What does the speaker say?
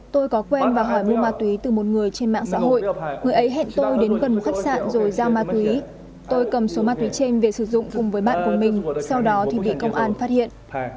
tôi có quen và hỏi mua ma túy từ một người trên mạng xã hội người ấy hẹn tôi đến gần một khách sạn rồi giao ma túy tôi cầm số ma túy trên về sử dụng cùng với bạn của mình sau đó thì bị công an phát hiện